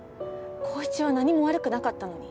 紘一は何も悪くなかったのに。